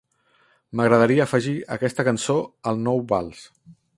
M'agradaria afegir aquesta cançó al nou vals.